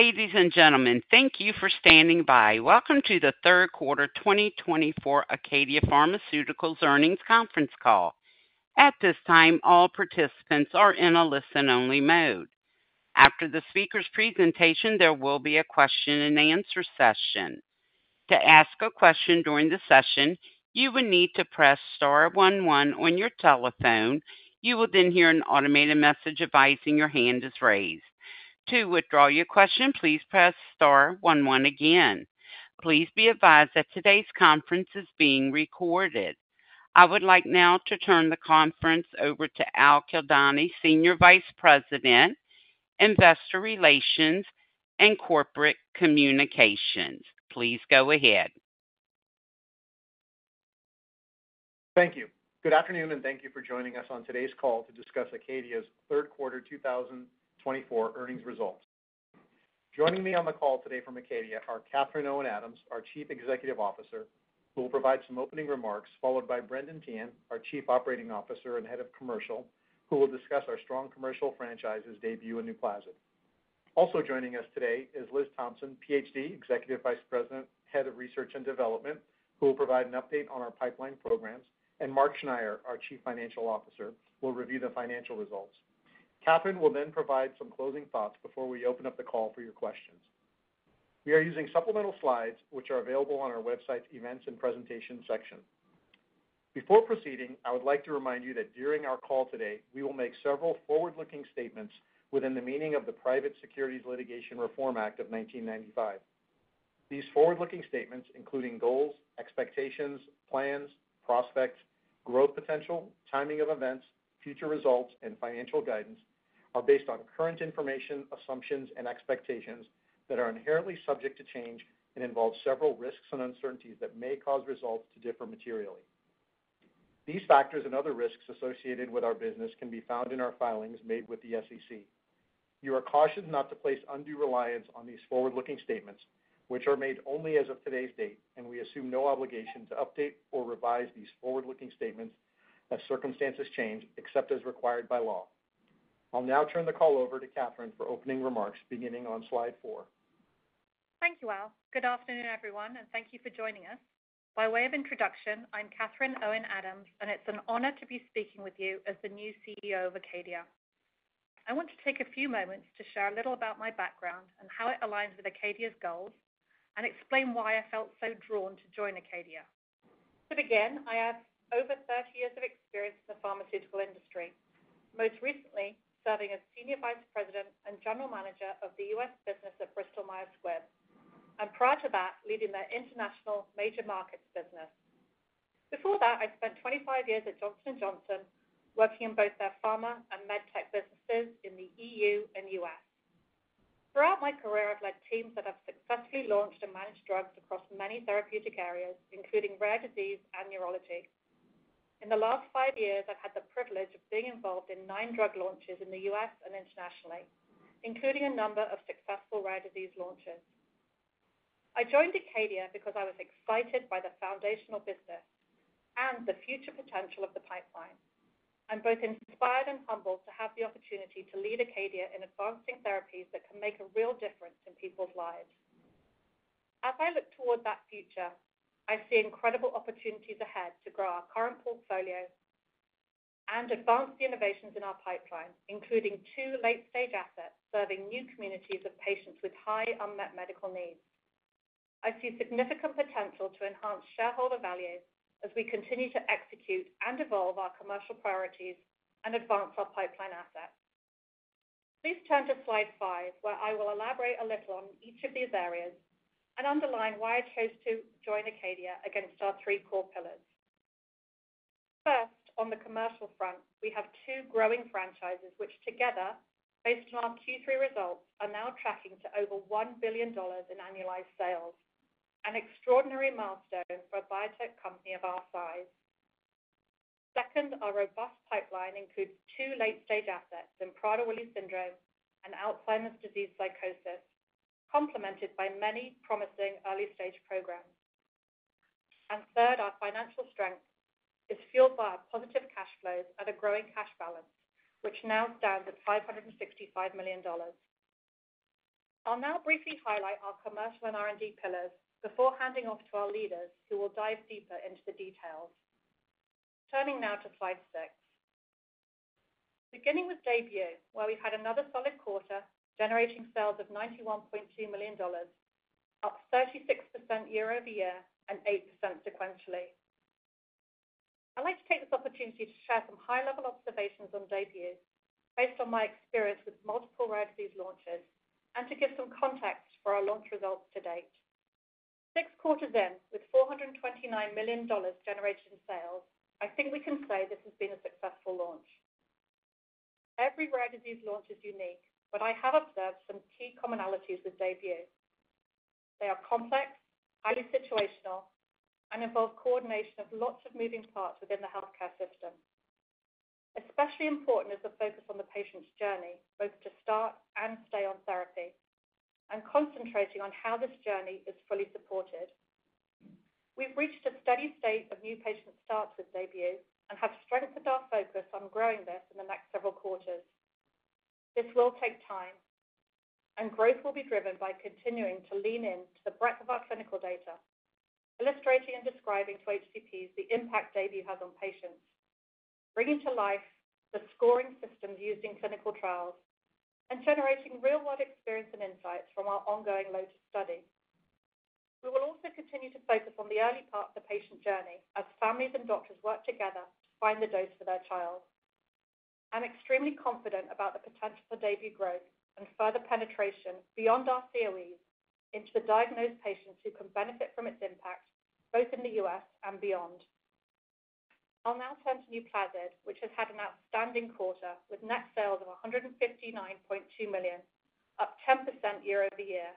Ladies and gentlemen, thank you for standing by. Welcome to the third quarter 2024 Acadia Pharmaceuticals' earnings conference call. At this time, all participants are in a listen-only mode. After the speaker's presentation, there will be a question-and-answer session. To ask a question during the session, you will need to press star one one on your telephone. You will then hear an automated message advising your hand is raised. To withdraw your question, please press star one one again. Please be advised that today's conference is being recorded. I would like now to turn the conference over to Al Kildani, Senior Vice President, Investor Relations and Corporate Communications. Please go ahead. Thank you. Good afternoon and thank you for joining us on today's call to discuss Acadia's third quarter 2024 earnings results. Joining me on the call today from Acadia are Catherine Owen Adams, our Chief Executive Officer, who will provide some opening remarks, followed by Brendan Teehan, our Chief Operating Officer and Head of Commercial, who will discuss our strong commercial franchise's DAYBUE and NUPLAZID. Also joining us today is Liz Thompson, PhD, Executive Vice President, Head of Research and Development, who will provide an update on our pipeline programs, and Mark Schneyer, our Chief Financial Officer, will review the financial results. Catherine will then provide some closing thoughts before we open up the call for your questions. We are using supplemental slides, which are available on our website's events and presentations section. Before proceeding, I would like to remind you that during our call today, we will make several forward-looking statements within the meaning of the Private Securities Litigation Reform Act of 1995. These forward-looking statements, including goals, expectations, plans, prospects, growth potential, timing of events, future results, and financial guidance, are based on current information, assumptions, and expectations that are inherently subject to change and involve several risks and uncertainties that may cause results to differ materially. These factors and other risks associated with our business can be found in our filings made with the SEC. You are cautioned not to place undue reliance on these forward-looking statements, which are made only as of today's date, and we assume no obligation to update or revise these forward-looking statements as circumstances change, except as required by law. I'll now turn the call over to Catherine for opening remarks, beginning on slide four. Thank you, Al. Good afternoon, everyone, and thank you for joining us. By way of introduction, I'm Catherine Owen Adams, and it's an honor to be speaking with you as the new CEO of Acadia. I want to take a few moments to share a little about my background and how it aligns with Acadia's goals, and explain why I felt so drawn to join Acadia. To begin, I have over 30 years of experience in the pharmaceutical industry, most recently serving as Senior Vice President and General Manager of the U.S. Business at Bristol Myers Squibb, and prior to that, leading their international major markets business. Before that, I spent 25 years at Johnson & Johnson, working in both their pharma and medtech businesses in the E.U. and U.S. Throughout my career, I've led teams that have successfully launched and managed drugs across many therapeutic areas, including rare disease and neurology. In the last five years, I've had the privilege of being involved in nine drug launches in the U.S. and internationally, including a number of successful rare disease launches. I joined Acadia because I was excited by the foundational business and the future potential of the pipeline. I'm both inspired and humbled to have the opportunity to lead Acadia in advancing therapies that can make a real difference in people's lives. As I look toward that future, I see incredible opportunities ahead to grow our current portfolio and advance the innovations in our pipeline, including two late-stage assets serving new communities of patients with high unmet medical needs. I see significant potential to enhance shareholder value as we continue to execute and evolve our commercial priorities and advance our pipeline assets. Please turn to slide five, where I will elaborate a little on each of these areas and underline why I chose to join Acadia against our three core pillars. First, on the commercial front, we have two growing franchises, which together, based on our Q3 results, are now tracking to over $1 billion in annualized sales, an extraordinary milestone for a biotech company of our size. Second, our robust pipeline includes two late-stage assets in Prader-Willi syndrome and Alzheimer's disease psychosis, complemented by many promising early-stage programs. Third, our financial strength is fueled by our positive cash flows and a growing cash balance, which now stands at $565 million. I'll now briefly highlight our commercial and R&D pillars before handing off to our leaders, who will dive deeper into the details. Turning now to slide six, beginning with DAYBUE, where we've had another solid quarter generating sales of $91.2 million, up 36% year-over-year and 8% sequentially. I'd like to take this opportunity to share some high-level observations on DAYBUE, based on my experience with multiple rare disease launches, and to give some context for our launch results to date. Six quarters in, with $429 million generated in sales, I think we can say this has been a successful launch. Every rare disease launch is unique, but I have observed some key commonalities with DAYBUE. They are complex, highly situational, and involve coordination of lots of moving parts within the healthcare system. Especially important is the focus on the patient's journey, both to start and stay on therapy, and concentrating on how this journey is fully supported. We've reached a steady state of new patient starts with DAYBUE and have strengthened our focus on growing this in the next several quarters. This will take time, and growth will be driven by continuing to lean into the breadth of our clinical data, illustrating and describing to HCPs the impact DAYBUE has on patients, bringing to life the scoring systems used in clinical trials, and generating real-world experience and insights from our ongoing LOTUS study. We will also continue to focus on the early part of the patient journey as families and doctors work together to find the dose for their child. I'm extremely confident about the potential for DAYBUE growth and further penetration beyond our COEs into the diagnosed patients who can benefit from its impact, both in the U.S. and beyond. I'll now turn to NUPLAZID, which has had an outstanding quarter with net sales of $159.2 million, up 10% year-over-year.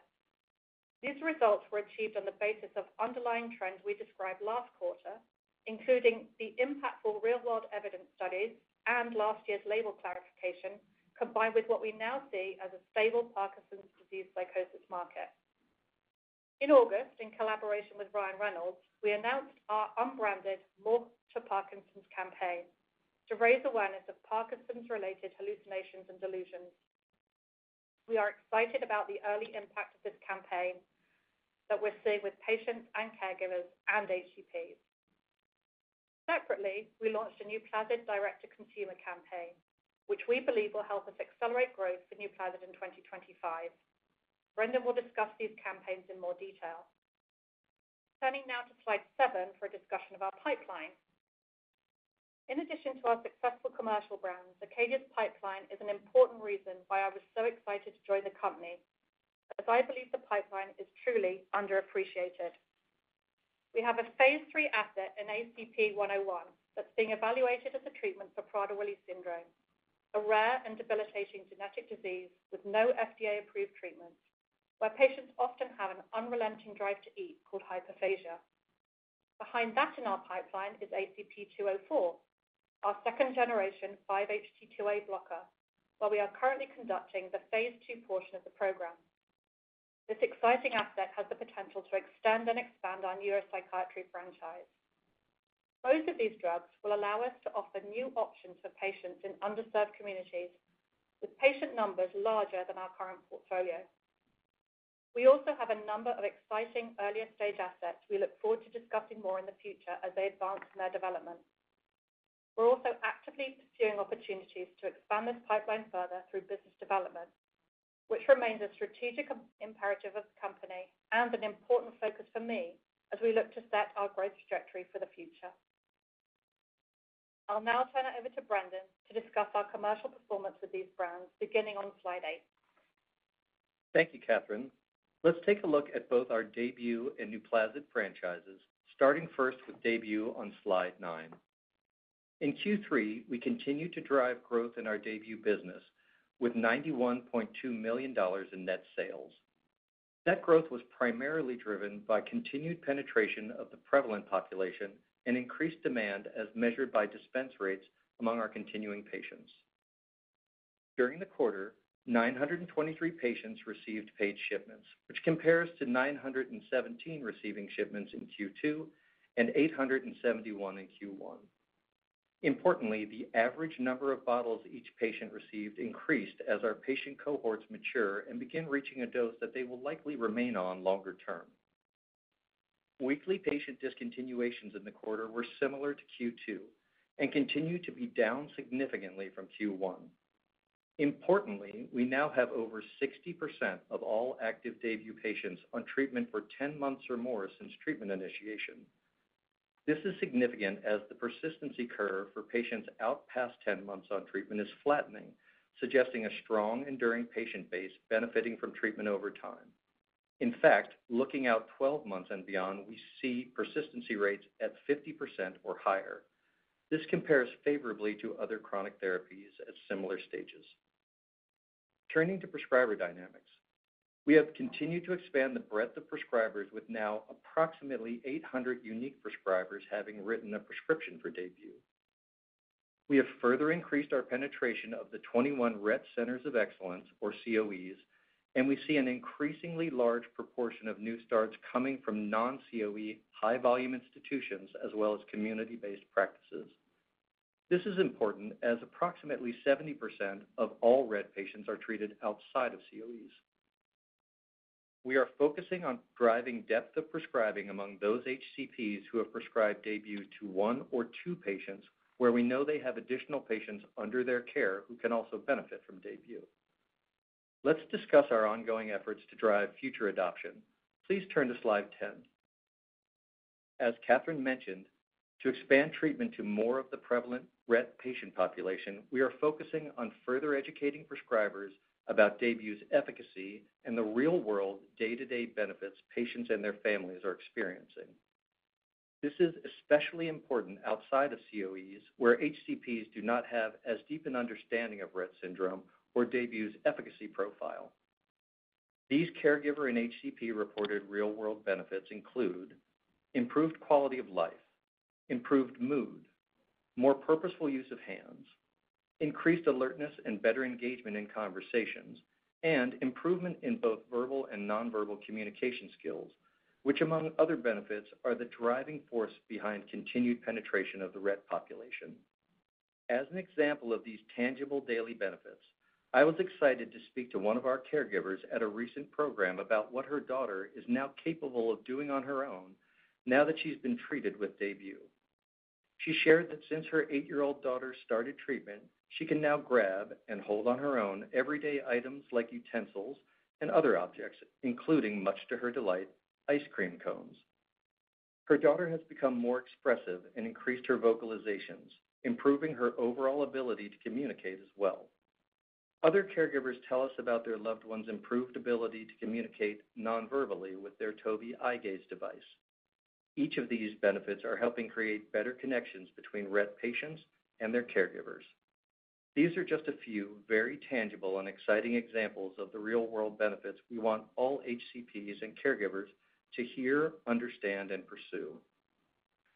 These results were achieved on the basis of underlying trends we described last quarter, including the impactful real-world evidence studies and last year's label clarification, combined with what we now see as a stable Parkinson's disease psychosis market. In August, in collaboration with Ryan Reynolds, we announced our unbranded More to Parkinson's campaign to raise awareness of Parkinson's-related hallucinations and delusions. We are excited about the early impact of this campaign that we're seeing with patients and caregivers and HCPs. Separately, we launched a new NUPLAZID direct-to-consumer campaign, which we believe will help us accelerate growth for NUPLAZID in 2025. Brendan will discuss these campaigns in more detail. Turning now to slide seven for a discussion of our pipeline. In addition to our successful commercial brands, Acadia's pipeline is an important reason why I was so excited to join the company, as I believe the pipeline is truly underappreciated. We have a phase three asset in ACP-101 that's being evaluated as a treatment for Prader-Willi syndrome, a rare and debilitating genetic disease with no FDA-approved treatments, where patients often have an unrelenting drive to eat called hyperphagia. Behind that in our pipeline is ACP-204, our second-generation 5-HT2A blocker, where we are currently conducting the phase two portion of the program. This exciting asset has the potential to extend and expand our neuropsychiatry franchise. Both of these drugs will allow us to offer new options for patients in underserved communities, with patient numbers larger than our current portfolio. We also have a number of exciting earlier stage assets we look forward to discussing more in the future as they advance in their development. We're also actively pursuing opportunities to expand this pipeline further through business development, which remains a strategic imperative of the company and an important focus for me as we look to set our growth trajectory for the future. I'll now turn it over to Brendan to discuss our commercial performance with these brands, beginning on slide eight. Thank you, Catherine. Let's take a look at both our DAYBUE and NUPLAZID franchises, starting first with DAYBUE on slide nine. In Q3, we continued to drive growth in our DAYBUE business with $91.2 million in net sales. That growth was primarily driven by continued penetration of the prevalent population and increased demand as measured by dispense rates among our continuing patients. During the quarter, 923 patients received paid shipments, which compares to 917 receiving shipments in Q2 and 871 in Q1. Importantly, the average number of bottles each patient received increased as our patient cohorts mature and begin reaching a dose that they will likely remain on longer term. Weekly patient discontinuations in the quarter were similar to Q2 and continue to be down significantly from Q1. Importantly, we now have over 60% of all active DAYBUE patients on treatment for 10 months or more since treatment initiation. This is significant as the persistency curve for patients out past 10 months on treatment is flattening, suggesting a strong, enduring patient base benefiting from treatment over time. In fact, looking out 12 months and beyond, we see persistency rates at 50% or higher. This compares favorably to other chronic therapies at similar stages. Turning to prescriber dynamics, we have continued to expand the breadth of prescribers, with now approximately 800 unique prescribers having written a prescription for DAYBUE. We have further increased our penetration of the 21 Rett Centers of Excellence, or COEs, and we see an increasingly large proportion of new starts coming from non-COE high-volume institutions as well as community-based practices. This is important as approximately 70% of all Rett patients are treated outside of COEs. We are focusing on driving depth of prescribing among those HCPs who have prescribed DAYBUE to one or two patients where we know they have additional patients under their care who can also benefit from DAYBUE. Let's discuss our ongoing efforts to drive future adoption. Please turn to slide 10. As Catherine mentioned, to expand treatment to more of the prevalent Rett patient population, we are focusing on further educating prescribers about DAYBUE's efficacy and the real-world day-to-day benefits patients and their families are experiencing. This is especially important outside of COEs, where HCPs do not have as deep an understanding of Rett syndrome or DAYBUE's efficacy profile. These caregiver and HCP reported real-world benefits include improved quality of life, improved mood, more purposeful use of hands, increased alertness and better engagement in conversations, and improvement in both verbal and nonverbal communication skills, which, among other benefits, are the driving force behind continued penetration of the Rett population. As an example of these tangible daily benefits, I was excited to speak to one of our caregivers at a recent program about what her daughter is now capable of doing on her own now that she's been treated with DAYBUE. She shared that since her eight-year-old daughter started treatment, she can now grab and hold on her own everyday items like utensils and other objects, including, much to her delight, ice cream cones. Her daughter has become more expressive and increased her vocalizations, improving her overall ability to communicate as well. Other caregivers tell us about their loved ones' improved ability to communicate nonverbally with their Tobii Eye Gaze device. Each of these benefits are helping create better connections between Rett patients and their caregivers. These are just a few very tangible and exciting examples of the real-world benefits we want all HCPs and caregivers to hear, understand, and pursue.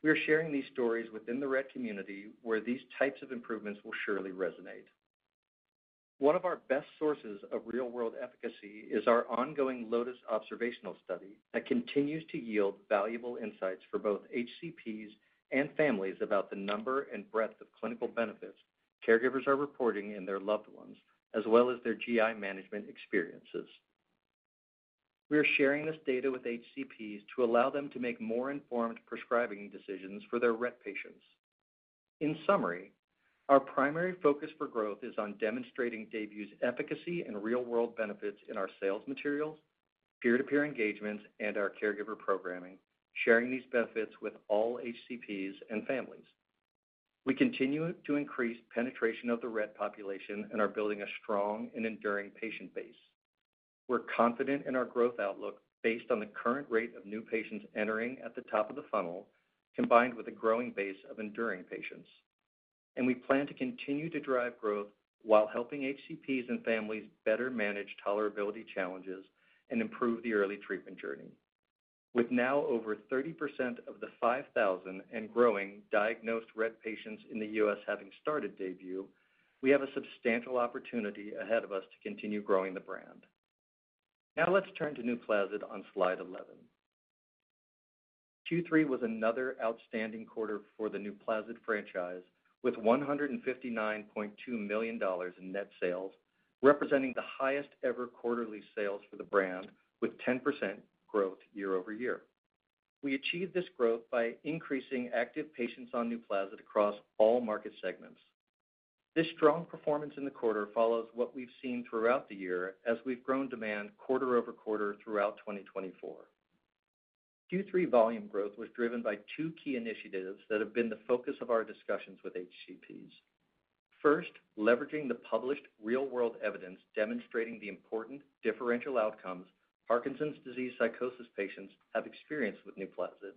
We are sharing these stories within the Rett community, where these types of improvements will surely resonate. One of our best sources of real-world efficacy is our ongoing LOTUS observational study that continues to yield valuable insights for both HCPs and families about the number and breadth of clinical benefits caregivers are reporting and their loved ones, as well as their GI management experiences. We are sharing this data with HCPs to allow them to make more informed prescribing decisions for their Rett patients. In summary, our primary focus for growth is on demonstrating DAYBUE's efficacy and real-world benefits in our sales materials, peer-to-peer engagements, and our caregiver programming, sharing these benefits with all HCPs and families. We continue to increase penetration of the Rett population and are building a strong and enduring patient base. We're confident in our growth outlook based on the current rate of new patients entering at the top of the funnel, combined with a growing base of enduring patients. We plan to continue to drive growth while helping HCPs and families better manage tolerability challenges and improve the early treatment journey. With now over 30% of the 5,000 and growing diagnosed Rett patients in the U.S. having started DAYBUE, we have a substantial opportunity ahead of us to continue growing the brand. Now let's turn to NUPLAZID on slide 11. Q3 was another outstanding quarter for the NUPLAZID franchise, with $159.2 million in net sales, representing the highest-ever quarterly sales for the brand, with 10% growth year-over-year. We achieved this growth by increasing active patients on NUPLAZID across all market segments. This strong performance in the quarter follows what we've seen throughout the year as we've grown demand quarter-over-quarter throughout 2024. Q3 volume growth was driven by two key initiatives that have been the focus of our discussions with HCPs. First, leveraging the published real-world evidence demonstrating the important differential outcomes Parkinson's disease psychosis patients have experienced with NUPLAZID,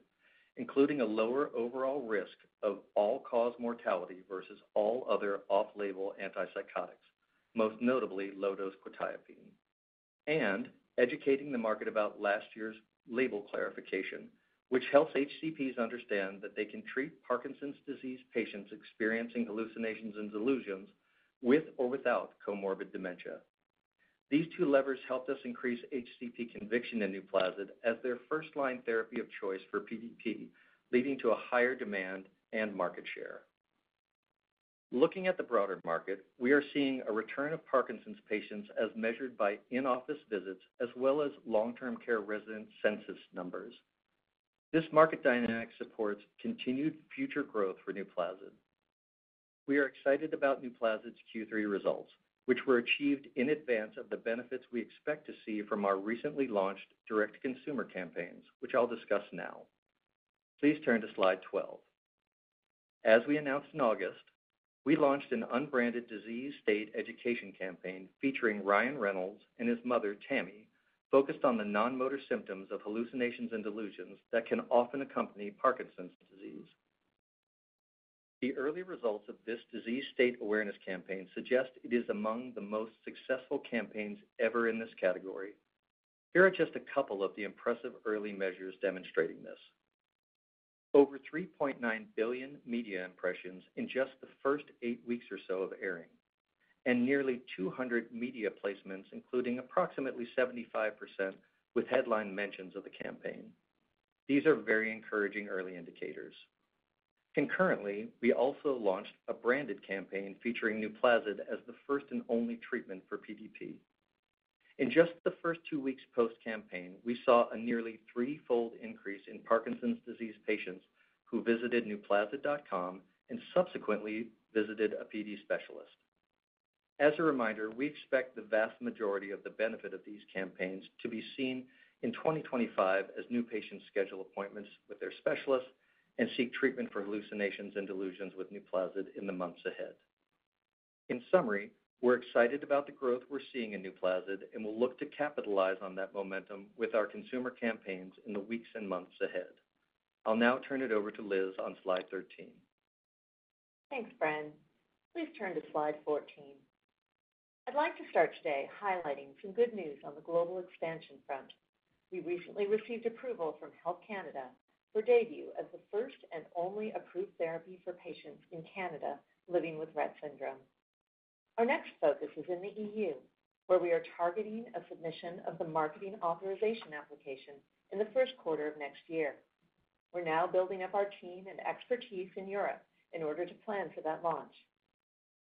including a lower overall risk of all-cause mortality versus all other off-label antipsychotics, most notably low-dose quetiapine, and educating the market about last year's label clarification, which helps HCPs understand that they can treat Parkinson's disease patients experiencing hallucinations and delusions with or without comorbid dementia. These two levers helped us increase HCP conviction in NUPLAZID as their first-line therapy of choice for PDP, leading to a higher demand and market share. Looking at the broader market, we are seeing a return of Parkinson's patients as measured by in-office visits as well as long-term care resident census numbers. This market dynamic supports continued future growth for NUPLAZID. We are excited about NUPLAZID's Q3 results, which were achieved in advance of the benefits we expect to see from our recently launched direct-to-consumer campaigns, which I'll discuss now. Please turn to slide 12. As we announced in August, we launched an unbranded disease state education campaign featuring Ryan Reynolds and his mother, Tammy, focused on the non-motor symptoms of hallucinations and delusions that can often accompany Parkinson's disease. The early results of this disease state awareness campaign suggest it is among the most successful campaigns ever in this category. Here are just a couple of the impressive early measures demonstrating this: over 3.9 billion media impressions in just the first eight weeks or so of airing and nearly 200 media placements, including approximately 75% with headline mentions of the campaign. These are very encouraging early indicators. Concurrently, we also launched a branded campaign featuring NUPLAZID as the first and only treatment for PDP. In just the first two weeks post-campaign, we saw a nearly threefold increase in Parkinson's disease patients who visited nuplazid.com and subsequently visited a PD specialist. As a reminder, we expect the vast majority of the benefit of these campaigns to be seen in 2025 as new patients schedule appointments with their specialists and seek treatment for hallucinations and delusions with NUPLAZID in the months ahead. In summary, we're excited about the growth we're seeing in NUPLAZID, and we'll look to capitalize on that momentum with our consumer campaigns in the weeks and months ahead. I'll now turn it over to Liz on slide 13. Thanks, Brendan. Please turn to slide 14. I'd like to start today highlighting some good news on the global expansion front. We recently received approval from Health Canada for DAYBUE as the first and only approved therapy for patients in Canada living with Rett syndrome. Our next focus is in the E.U., where we are targeting a submission of the marketing authorization application in the first quarter of next year. We're now building up our team and expertise in Europe in order to plan for that launch.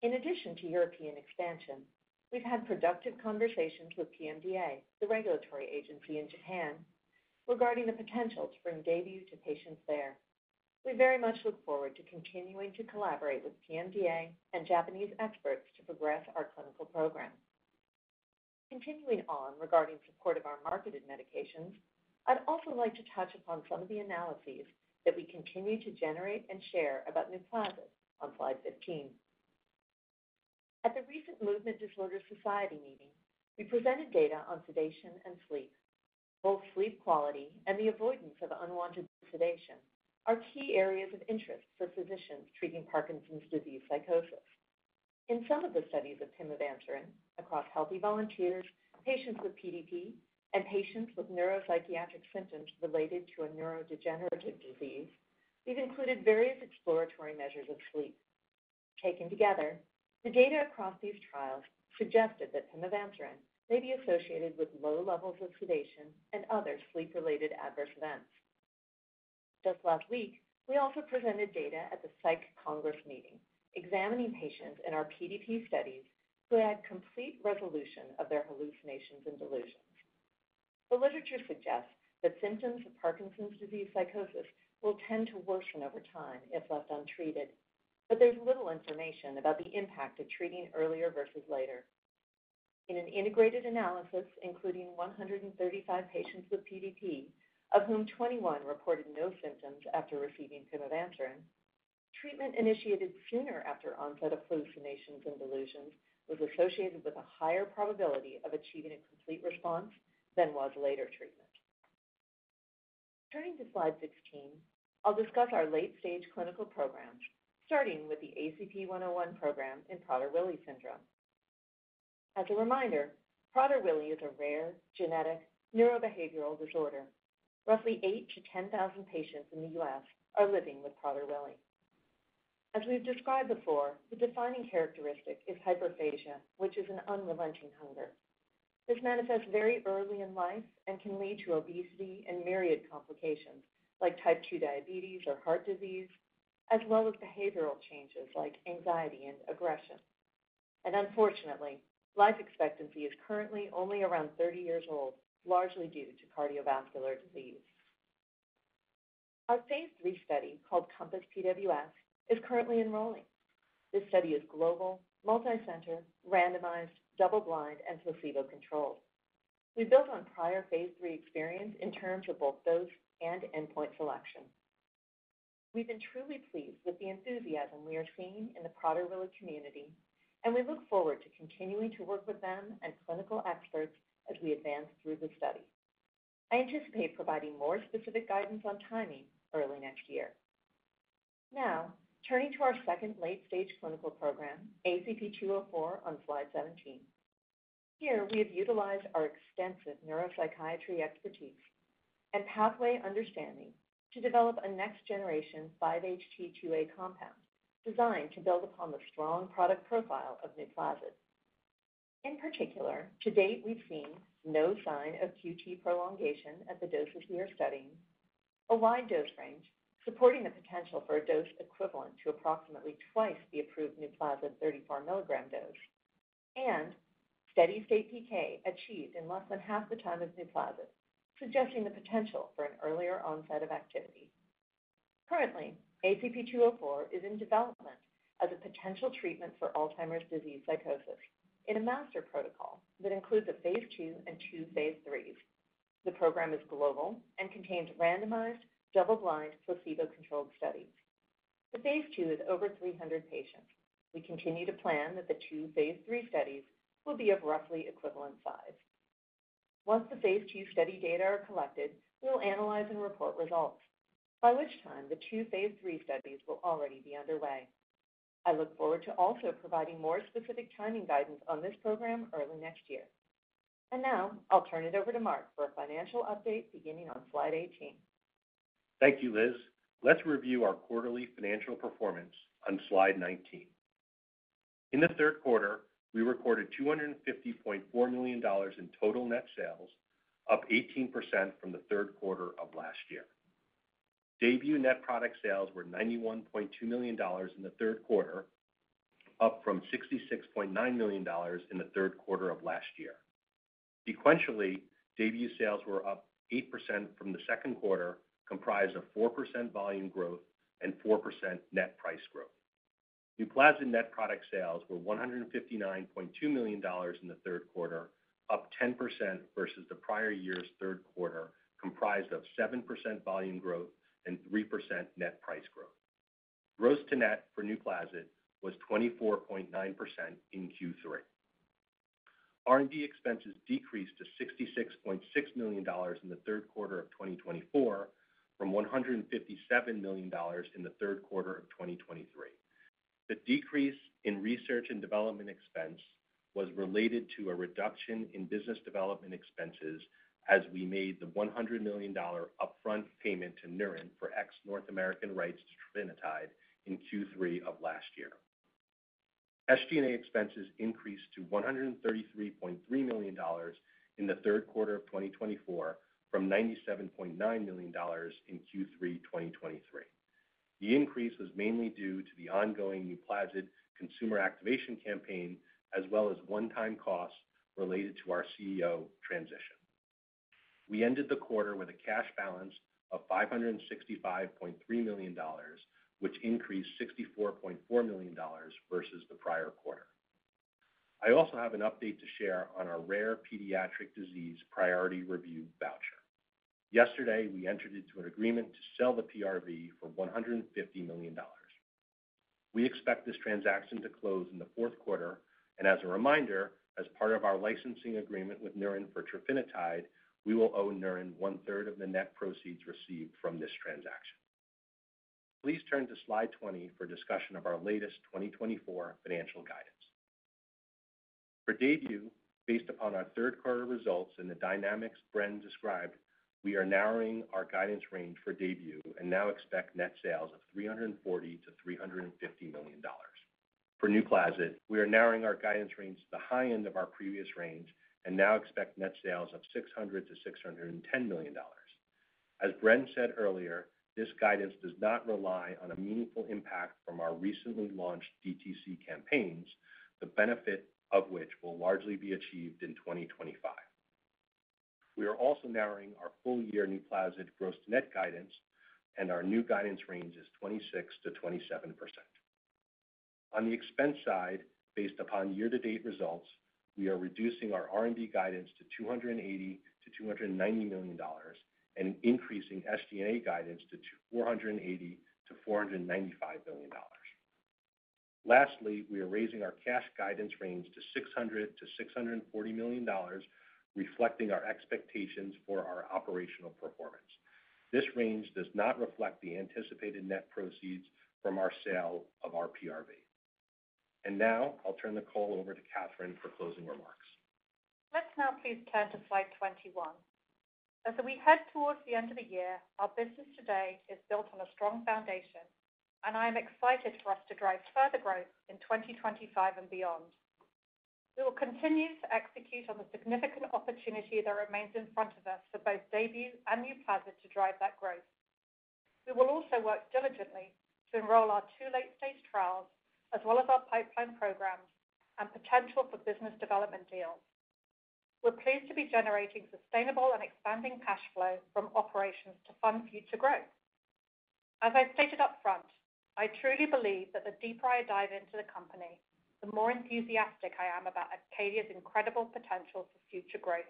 In addition to European expansion, we've had productive conversations with PMDA, the regulatory agency in Japan, regarding the potential to bring DAYBUE to patients there. We very much look forward to continuing to collaborate with PMDA and Japanese experts to progress our clinical program. Continuing on regarding support of our marketed medications, I'd also like to touch upon some of the analyses that we continue to generate and share about NUPLAZID on slide 15. At the recent Movement Disorder Society meeting, we presented data on sedation and sleep. Both sleep quality and the avoidance of unwanted sedation are key areas of interest for physicians treating Parkinson's disease psychosis. In some of the studies of pimavanserin, across healthy volunteers, patients with PDP, and patients with neuropsychiatric symptoms related to a neurodegenerative disease, we've included various exploratory measures of sleep. Taken together, the data across these trials suggested that pimavanserin may be associated with low levels of sedation and other sleep-related adverse events. Just last week, we also presented data at the Psych Congress meeting examining patients in our PDP studies who had complete resolution of their hallucinations and delusions. The literature suggests that symptoms of Parkinson's disease psychosis will tend to worsen over time if left untreated, but there's little information about the impact of treating earlier versus later. In an integrated analysis, including 135 patients with PDP, of whom 21 reported no symptoms after receiving pimavanserin, treatment initiated sooner after onset of hallucinations and delusions was associated with a higher probability of achieving a complete response than was later treatment. Turning to slide 16, I'll discuss our late-stage clinical programs, starting with the ACP-101 program in Prader-Willi syndrome. As a reminder, Prader-Willi is a rare genetic neurobehavioral disorder. Roughly 8,000-10,000 patients in the U.S. are living with Prader-Willi. As we've described before, the defining characteristic is hyperphagia, which is an unrelenting hunger. This manifests very early in life and can lead to obesity and myriad complications like type 2 diabetes or heart disease, as well as behavioral changes like anxiety and aggression. Unfortunately, life expectancy is currently only around 30 years old, largely due to cardiovascular disease. Our phase III study called COMPASS PWS is currently enrolling. This study is global, multi-center, randomized, double-blind, and placebo controlled. We built on prior phase III experience in terms of both dose and endpoint selection. We've been truly pleased with the enthusiasm we are seeing in the Prader-Willi community, and we look forward to continuing to work with them and clinical experts as we advance through the study. I anticipate providing more specific guidance on timing early next year. Now, turning to our second late-stage clinical program, ACP-204 on slide 17. Here, we have utilized our extensive neuropsychiatry expertise and pathway understanding to develop a next-generation 5-HT2A compound designed to build upon the strong product profile of NUPLAZID. In particular, to date, we've seen no sign of QT prolongation at the doses we are studying, a wide dose range supporting the potential for a dose equivalent to approximately twice the approved NUPLAZID 34-milligram dose, and steady-state PK achieved in less than half the time of NUPLAZID, suggesting the potential for an earlier onset of activity. Currently, ACP-204 is in development as a potential treatment for Alzheimer's disease psychosis in a master protocol that includes a phase II and two phase IIIs. The program is global and contains randomized, double-blind, placebo-controlled studies. The phase II is over 300 patients. We continue to plan that the two phase III studies will be of roughly equivalent size. Once the phase II study data are collected, we'll analyze and report results, by which time the two phase III studies will already be underway. I look forward to also providing more specific timing guidance on this program early next year. And now, I'll turn it over to Mark for a financial update beginning on slide 18. Thank you, Liz. Let's review our quarterly financial performance on slide 19. In the third quarter, we recorded $250.4 million in total net sales, up 18% from the third quarter of last year. DAYBUE net product sales were $91.2 million in the third quarter, up from $66.9 million in the third quarter of last year. Sequentially, DAYBUE sales were up 8% from the second quarter, comprised of 4% volume growth and 4% net price growth. NUPLAZID net product sales were $159.2 million in the third quarter, up 10% versus the prior year's third quarter, comprised of 7% volume growth and 3% net price growth. Gross to net for NUPLAZID was 24.9% in Q3. R&D expenses decreased to $66.6 million in the third quarter of 2024 from $157 million in the third quarter of 2023. The decrease in research and development expense was related to a reduction in business development expenses as we made the $100 million upfront payment to Neuren for ex-North American rights to trofinetide in Q3 of last year. SG&A expenses increased to $133.3 million in the third quarter of 2024 from $97.9 million in Q3 2023. The increase was mainly due to the ongoing NUPLAZID consumer activation campaign, as well as one-time costs related to our CEO transition. We ended the quarter with a cash balance of $565.3 million, which increased $64.4 million versus the prior quarter. I also have an update to share on our rare pediatric disease priority review voucher. Yesterday, we entered into an agreement to sell the PRV for $150 million. We expect this transaction to close in the fourth quarter. As a reminder, as part of our licensing agreement with Neuren for trofinetide, we will owe Neuren one-third of the net proceeds received from this transaction. Please turn to slide 20 for discussion of our latest 2024 financial guidance. For DAYBUE, based upon our third-quarter results and the dynamics Brendan described, we are narrowing our guidance range for DAYBUE and now expect net sales of $340-$350 million. For NUPLAZID, we are narrowing our guidance range to the high end of our previous range and now expect net sales of $600-$610 million. As Brendan said earlier, this guidance does not rely on a meaningful impact from our recently launched DTC campaigns, the benefit of which will largely be achieved in 2025. We are also narrowing our full-year NUPLAZID gross-to-net guidance, and our new guidance range is 26%-27%. On the expense side, based upon year-to-date results, we are reducing our R&D guidance to $280-$290 million and increasing SG&A guidance to $480-$495 million. Lastly, we are raising our cash guidance range to $600-$640 million, reflecting our expectations for our operational performance. This range does not reflect the anticipated net proceeds from our sale of our PRV. And now, I'll turn the call over to Catherine for closing remarks. Let's now please turn to slide 21. As we head towards the end of the year, our business today is built on a strong foundation, and I am excited for us to drive further growth in 2025 and beyond. We will continue to execute on the significant opportunity that remains in front of us for both DAYBUE and NUPLAZID to drive that growth. We will also work diligently to enroll our two late-stage trials, as well as our pipeline programs and potential for business development deals. We're pleased to be generating sustainable and expanding cash flow from operations to fund future growth. As I stated upfront, I truly believe that the deeper I dive into the company, the more enthusiastic I am about Acadia's incredible potential for future growth.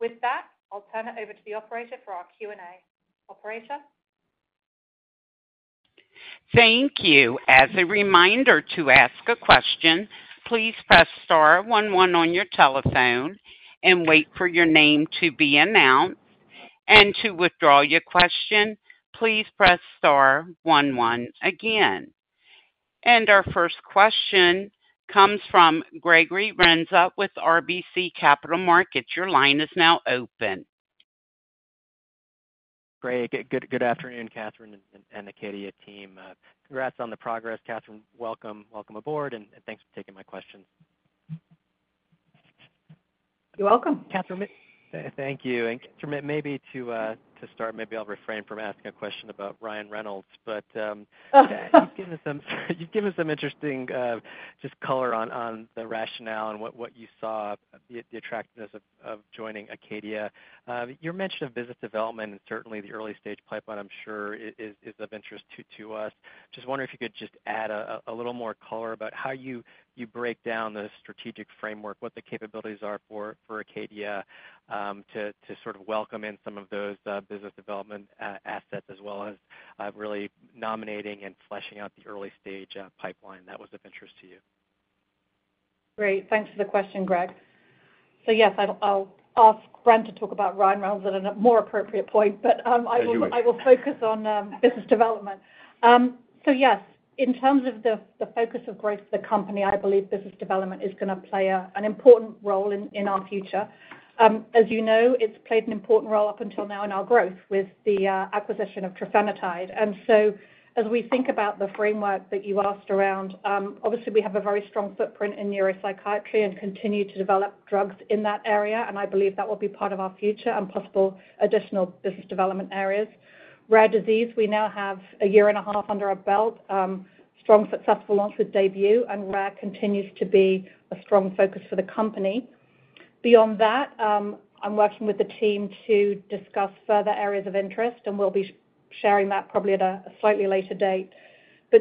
With that, I'll turn it over to the operator for our Q&A. Operator. Thank you. As a reminder to ask a question, please press star one one on your telephone and wait for your name to be announced. And to withdraw your question, please press star one one again. And our first question comes from Gregory Renza with RBC Capital Markets. Your line is now open. Great, good afternoon, Catherine and the Acadia team. Congrats on the progress. Catherine, welcome aboard, and thanks for taking my questions. You're welcome. Thank you. Maybe to start, maybe I'll refrain from asking a question about Ryan Reynolds, but you've given us some interesting just color on the rationale and what you saw, the attractiveness of joining Acadia. You mentioned a business development and certainly the early-stage pipeline, I'm sure, is of interest to us. Just wondering if you could just add a little more color about how you break down the strategic framework, what the capabilities are for Acadia to sort of welcome in some of those business development assets, as well as really nominating and fleshing out the early-stage pipeline. That was of interest to you. Great. Thanks for the question, Greg. So yes, I'll ask Brendan to talk about Ryan Reynolds at a more appropriate point, but I will focus on business development. So yes, in terms of the focus of growth of the company, I believe business development is going to play an important role in our future. As you know, it's played an important role up until now in our growth with the acquisition of trofinetide. As we think about the framework that you asked around, obviously, we have a very strong footprint in neuropsychiatry and continue to develop drugs in that area, and I believe that will be part of our future and possible additional business development areas. Rare disease, we now have a year and a half under our belt, strong successful launch with DAYBUE, and rare continues to be a strong focus for the company. Beyond that, I'm working with the team to discuss further areas of interest, and we'll be sharing that probably at a slightly later date.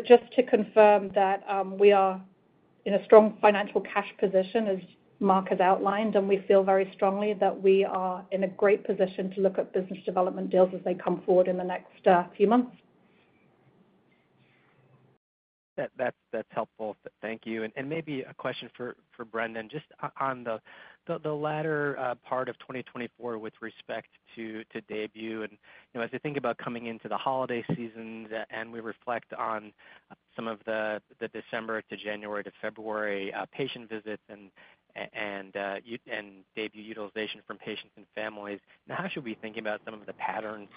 Just to confirm that we are in a strong financial cash position, as Mark has outlined, and we feel very strongly that we are in a great position to look at business development deals as they come forward in the next few months. That's helpful. Thank you. Maybe a question for Brendan, just on the latter part of 2024 with respect to DAYBUE. As we think about coming into the holiday season and we reflect on some of the December to January to February patient visits and DAYBUE utilization from patients and families, now how should we be thinking about some of the patterns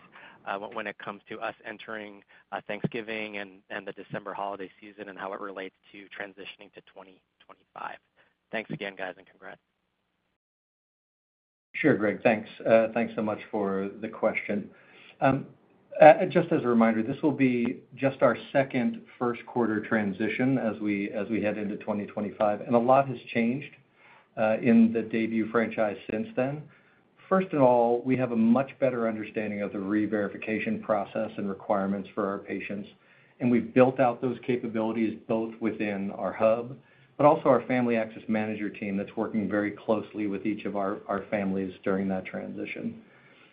when it comes to us entering Thanksgiving and the December holiday season and how it relates to transitioning to 2025? Thanks again, guys, and congrats. Sure, Greg. Thanks. Thanks so much for the question. Just as a reminder, this will be just our second first-quarter transition as we head into 2025, and a lot has changed in the DAYBUE franchise since then. First of all, we have a much better understanding of the re-verification process and requirements for our patients, and we've built out those capabilities both within our hub, but also our family access manager team that's working very closely with each of our families during that transition.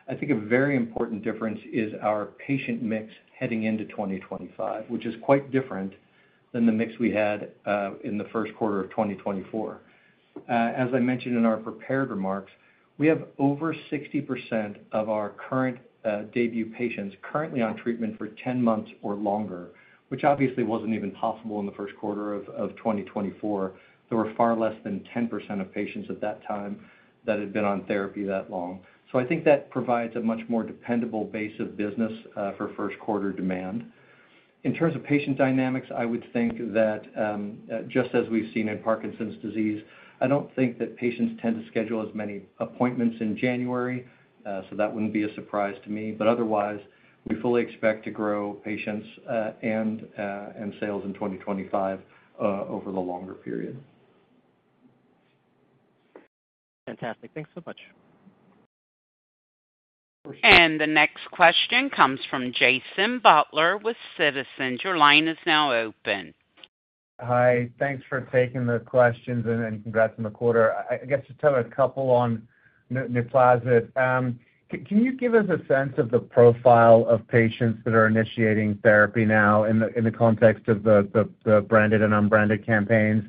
I think a very important difference is our patient mix heading into 2025, which is quite different than the mix we had in the first quarter of 2024. As I mentioned in our prepared remarks, we have over 60% of our current DAYBUE patients currently on treatment for 10 months or longer, which obviously wasn't even possible in the first quarter of 2024. There were far less than 10% of patients at that time that had been on therapy that long. That provides a much more dependable base of business for first-quarter demand. In terms of patient dynamics, I would think that just as we've seen in Parkinson's disease, I don't think that patients tend to schedule as many appointments in January, so that wouldn't be a surprise to me. Otherwise, we fully expect to grow patients and sales in 2025 over the longer period. Fantastic. Thanks so much. The next question comes from Jason Butler with Citizens JMP. Your line is now open. Hi. Thanks for taking the questions and congrats on the quarter. I guess just tell me about a couple on NUPLAZID? Can you give us a sense of the profile of patients that are initiating therapy now in the context of the branded and unbranded campaigns?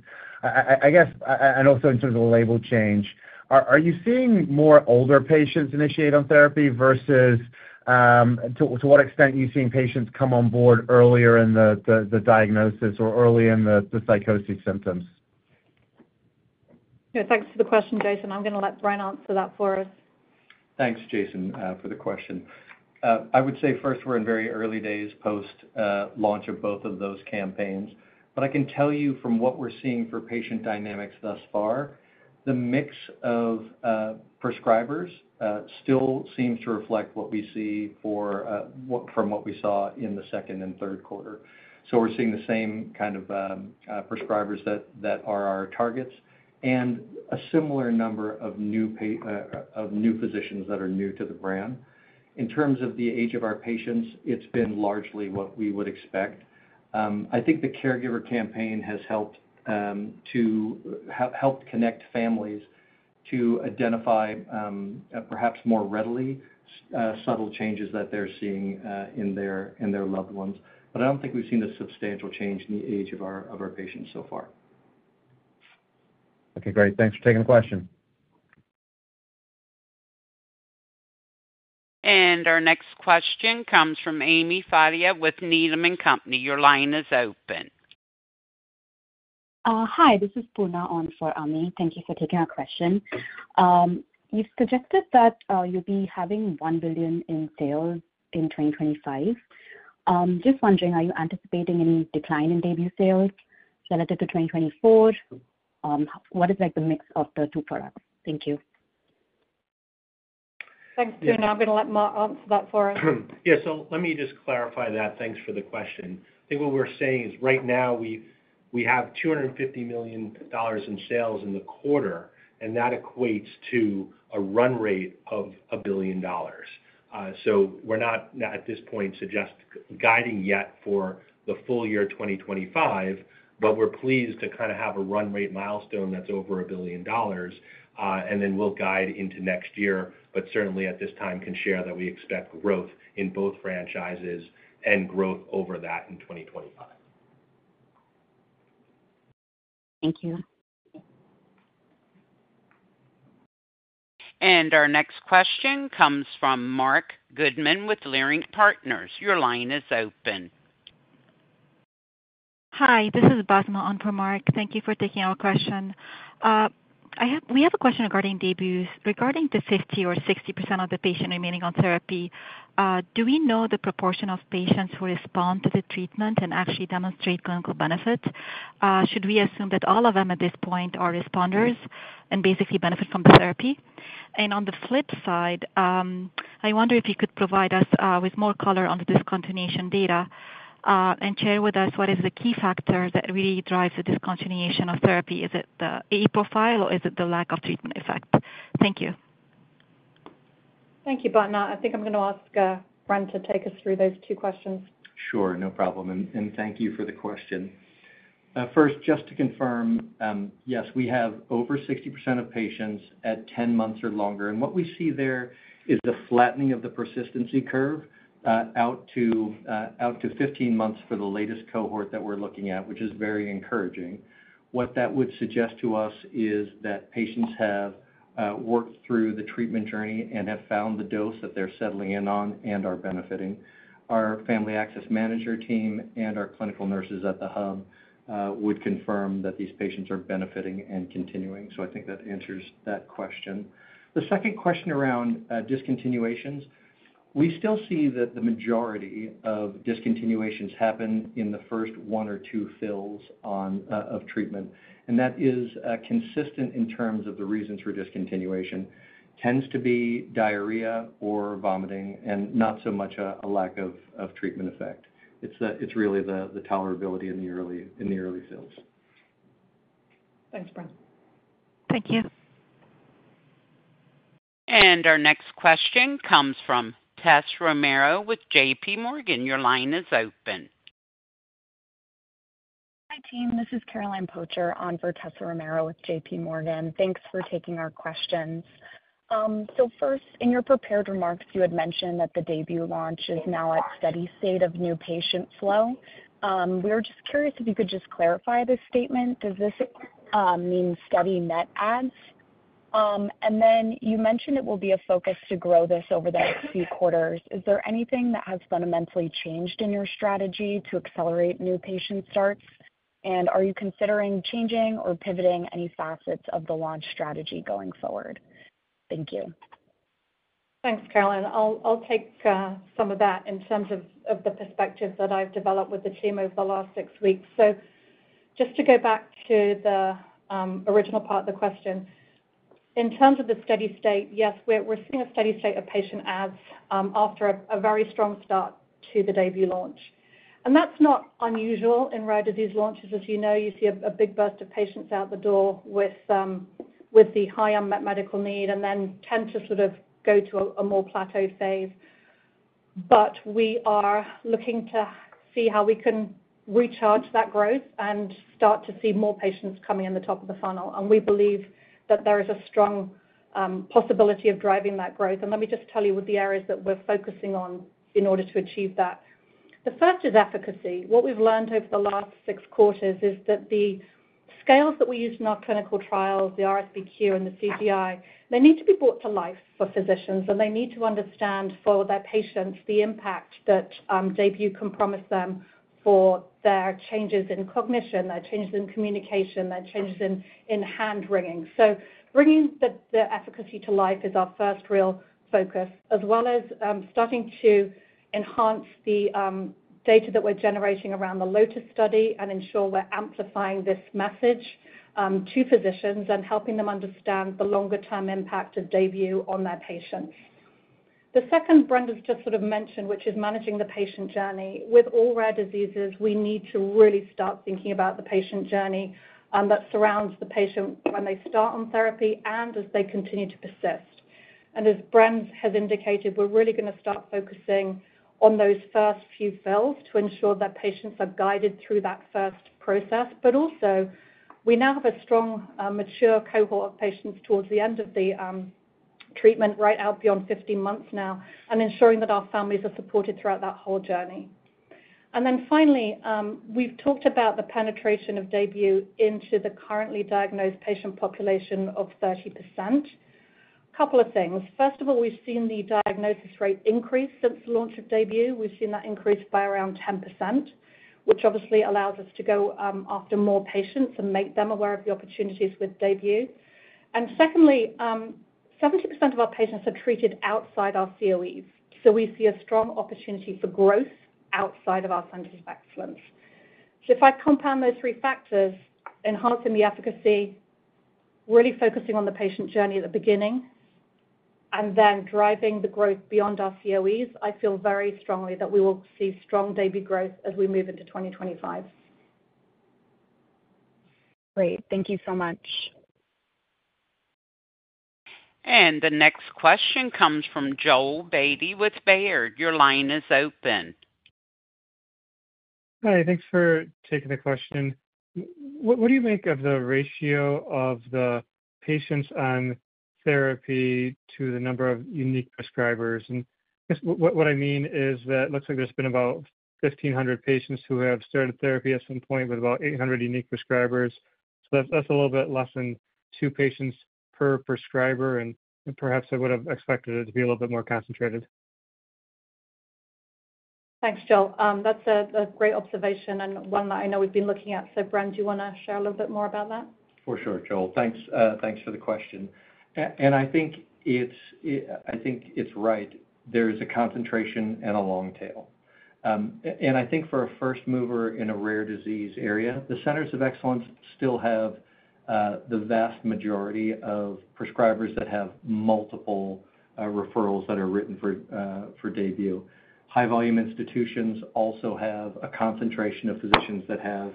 Also, in terms of the label change, are you seeing more older patients initiate on therapy versus to what extent are you seeing patients come on board earlier in the diagnosis or early in the psychosis symptoms? Yeah. Thanks for the question, Jason. I'm going to let Brendan answer that for us. Thanks, Jason, for the question. I would say first, we're in very early days post-launch of both of those campaigns. I can tell you from what we're seeing for patient dynamics thus far, the mix of prescribers still seems to reflect what we see from what we saw in the second and third quarter. We're seeing the same kind of prescribers that are our targets and a similar number of new physicians that are new to the brand. In terms of the age of our patients, it's been largely what we would expect. I think the caregiver campaign has helped connect families to identify perhaps more readily subtle changes that they're seeing in their loved ones. I don't think we've seen a substantial change in the age of our patients so far. Okay, great. Thanks for taking the question. Our next question comes from Amy Fadia with Needham & Company. Your line is open. Hi. This is Pooja on for Amy. Thank you for taking our question. You've suggested that you'll be having $1 billion in sales in 2025. Just wondering, are you anticipating any decline in DAYBUE sales relative to 2024? What is the mix of the two products? Thank you. Thanks, June. I'm going to let Mark answer that for us. Yeah. So, let me just clarify that. Thanks for the question. I think what we're saying is right now we have $250 million in sales in the quarter, and that equates to a run rate of $1 billion. We're not at this point guiding yet for the full year 2025, but we're pleased to kind of have a run rate milestone that's over $1 billion, and then we'll guide into next year. But certainly, at this time, can share that we expect growth in both franchises and growth over that in 2025. Thank you. And our next question comes from Marc Goodman with Leerink Partners. Your line is open. Hi. This is Basma on for Marc. Thank you for taking our question. We have a question regarding DAYBUE. Regarding the 50%-60% of the patients remaining on therapy, do we know the proportion of patients who respond to the treatment and actually demonstrate clinical benefit? Should we assume that all of them at this point are responders and basically benefit from the therapy? On the flip side, I wonder if you could provide us with more color on the discontinuation data and share with us what is the key factor that really drives the discontinuation of therapy. Is it the AE profile, or is it the lack of treatment effect? Thank you. Thank you, Basma. I think I'm going to ask Brendan to take us through those two questions. Sure. No problem. Thank you for the question. First, just to confirm, yes, we have over 60% of patients at 10 months or longer. What we see there is a flattening of the persistency curve out to 15 months for the latest cohort that we're looking at, which is very encouraging. What that would suggest to us is that patients have worked through the treatment journey and have found the dose that they're settling in on and are benefiting. Our family access manager team and our clinical nurses at the hub would confirm that these patients are benefiting and continuing. That answers that question. The second question around discontinuations, we still see that the majority of discontinuations happen in the first one or two fills of treatment. That is consistent in terms of the reasons for discontinuation. Tends to be diarrhea or vomiting and not so much a lack of treatment effect. It's really the tolerability in the early fills. Thanks, Brendan. Thank you. And our next question comes from Tessa Romero with J.P. Morgan. Your line is open. Hi, team. This is Caroline Pocher on for Tessa Romero with J.P. Morgan. Thanks for taking our questions. First, in your prepared remarks, you had mentioned that the DAYBUE launch is now at steady state of new patient flow. We were just curious if you could just clarify this statement. Does this mean steady net adds? Then you mentioned it will be a focus to grow this over the next few quarters. Is there anything that has fundamentally changed in your strategy to accelerate new patient starts? Are you considering changing or pivoting any facets of the launch strategy going forward? Thank you. Thanks, Caroline. I'll take some of that in terms of the perspectives that I've developed with the team over the last six weeks. Just to go back to the original part of the question, in terms of the steady state, yes, we're seeing a steady state of patient adds after a very strong start to the DAYBUE launch. That's not unusual in rare disease launches. As you know, you see a big burst of patients out the door with the high unmet medical need and then tend to sort of go to a more plateaued phase. We are looking to see how we can recharge that growth and start to see more patients coming in the top of the funnel. We believe that there is a strong possibility of driving that growth. Let me just tell you what the areas that we're focusing on in order to achieve that. The first is efficacy. What we've learned over the last six quarters is that the scales that we use in our clinical trials, the RSBQ and the CGI, they need to be brought to life for physicians, and they need to understand for their patients the impact that DAYBUE can promise them for their changes in cognition, their changes in communication, their changes in hand-wringing. Bringing the efficacy to life is our first real focus, as well as starting to enhance the data that we're generating around the LOTUS study and ensure we're amplifying this message to physicians and helping them understand the longer-term impact of DAYBUE on their patients. The second, Brendan's just sort of mentioned, which is managing the patient journey. With all rare diseases, we need to really start thinking about the patient journey that surrounds the patient when they start on therapy and as they continue to persist. As Brendan has indicated, we're really going to start focusing on those first few fills to ensure that patients are guided through that first process. Also, we now have a strong, mature cohort of patients towards the end of the treatment, right out beyond 15 months now, and ensuring that our families are supported throughout that whole journey. Then finally, we've talked about the penetration of DAYBUE into the currently diagnosed patient population of 30%. A couple of things. First of all, we've seen the diagnosis rate increase since the launch of DAYBUE. We've seen that increase by around 10%, which obviously allows us to go after more patients and make them aware of the opportunities with DAYBUE. Secondly, 70% of our patients are treated outside our COEs. We see a strong opportunity for growth outside of our scientific excellence. If I compound those three factors, enhancing the efficacy, really focusing on the patient journey at the beginning, and then driving the growth beyond our COEs, I feel very strongly that we will see strong DAYBUE growth as we move into 2025. Great. Thank you so much. The next question comes from Joel Beatty with Baird. Your line is open. Hi. Thanks for taking the question. What do you make of the ratio of the patients on therapy to the number of unique prescribers? What I mean is that it looks like there's been about 1,500 patients who have started therapy at some point with about 800 unique prescribers. That's a little bit less than two patients per prescriber, and perhaps I would have expected it to be a little bit more concentrated. Thanks, Joel. That's a great observation and one that I know we've been looking at. Brendan, do you want to share a little bit more about that? For sure, Joel. Thanks for the question, and I think it's right. There is a concentration and a long tail, and I think for a first mover in a rare disease area, the centers of excellence still have the vast majority of prescribers that have multiple referrals that are written for DAYBUE. High-volume institutions also have a concentration of physicians that have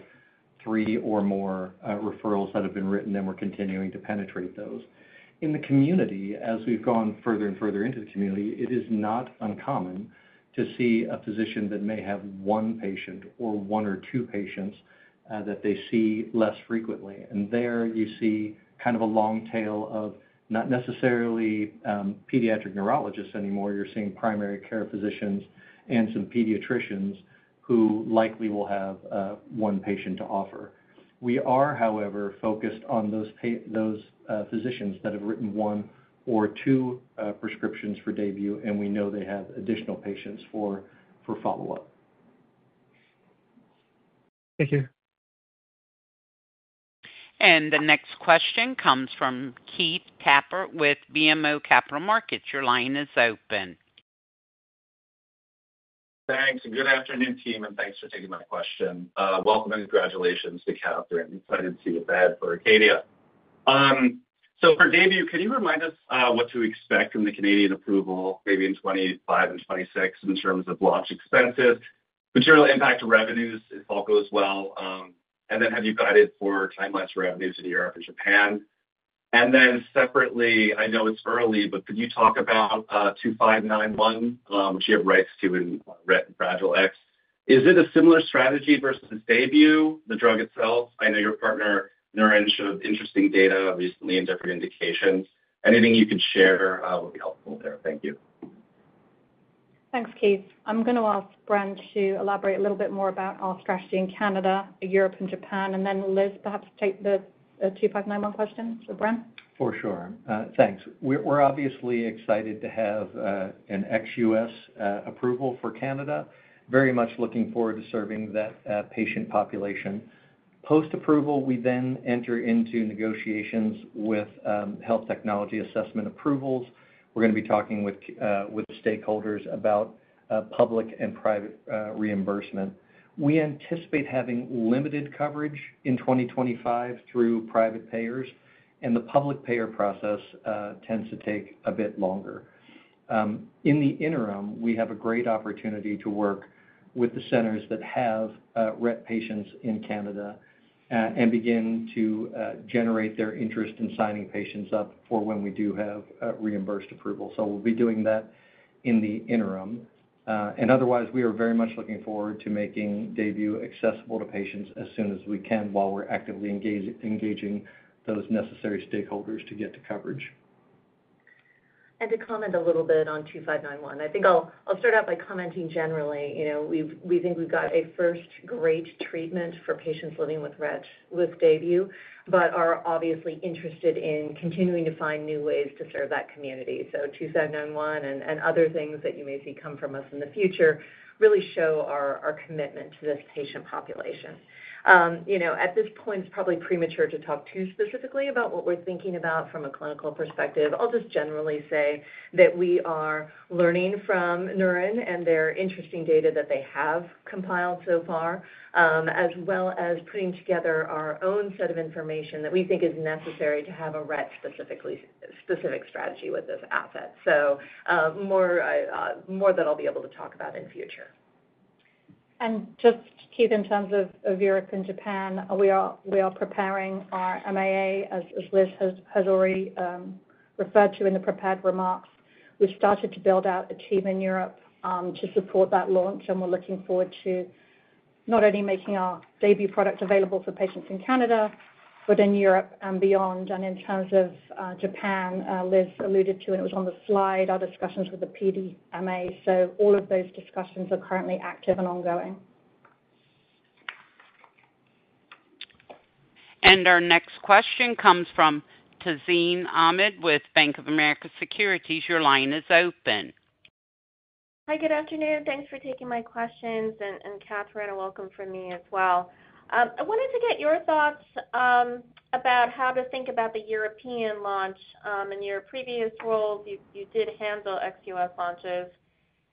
three or more referrals that have been written and we're continuing to penetrate those. In the community, as we've gone further and further into the community, it is not uncommon to see a physician that may have one patient or one or two patients that they see less frequently. There you see kind of a long tail of not necessarily pediatric neurologists anymore. You're seeing primary care physicians and some pediatricians who likely will have one patient to offer. We are, however, focused on those physicians that have written one or two prescriptions for DAYBUE, and we know they have additional patients for follow-up. Thank you. And the next question comes from Keith Tapper with BMO Capital Markets. Your line is open. Thanks. And good afternoon, team, and thanks for taking my question. Welcome and congratulations to Catherine. Excited to see you at the head for Acadia. For DAYBUE, can you remind us what to expect from the Canadian approval maybe in 2025 and 2026 in terms of launch expenses, material impact revenues if all goes well? Then have you guided for timelines for revenues in Europe and Japan? Then separately, I know it's early, but could you talk about NNZ-2591, which you have rights to in Rett and Fragile X? Is it a similar strategy versus DAYBUE, the drug itself? I know your partner, Neuren, showed interesting data recently in different indications. Anything you could share would be helpful there. Thank you. Thanks, Keith. I'm going to ask Brendan to elaborate a little bit more about our strategy in Canada, Europe, and Japan, and then Liz, perhaps take the 2591 question for Brendan. For sure. Thanks. We're obviously excited to have an ex-U.S. approval for Canada. Very much looking forward to serving that patient population. Post-approval, we then enter into negotiations with health technology assessment approvals. We're going to be talking with stakeholders about public and private reimbursement. We anticipate having limited coverage in 2025 through private payers, and the public payer process tends to take a bit longer. In the interim, we have a great opportunity to work with the centers that have Rett patients in Canada and begin to generate their interest in signing patients up for when we do have reimbursed approval. We'll be doing that in the interim. Otherwise, we are very much looking forward to making DAYBUE accessible to patients as soon as we can while we're actively engaging those necessary stakeholders to get to coverage. To comment a little bit on NNZ-2591, I think I'll start out by commenting generally. We think we've got a first-rate treatment for patients living with Rett with DAYBUE but are obviously interested in continuing to find new ways to serve that community. So, NNZ-2591 and other things that you may see come from us in the future really show our commitment to this patient population. At this point, it's probably premature to talk too specifically about what we're thinking about from a clinical perspective. I'll just generally say that we are learning from Neuren and their interesting data that they have compiled so far, as well as putting together our own set of information that we think is necessary to have a Rett-specific strategy with this asset. More that I'll be able to talk about in future. Keith, in terms of Europe and Japan, we are preparing our MAA, as Liz has already referred to in the prepared remarks. We've started to build out Acadia in Europe to support that launch, and we're looking forward to not only making our DAYBUE product available for patients in Canada, but in Europe and beyond. And in terms of Japan, Liz alluded to, and it was on the slide, our discussions with the PMDA. So all of those discussions are currently active and ongoing. And our next question comes from Tazeen Ahmad with Bank of America Securities. Your line is open. Hi, good afternoon. Thanks for taking my questions. Catherine, a welcome from me as well. I wanted to get your thoughts about how to think about the European launch. In your previous role, you did handle ex-U.S. launches.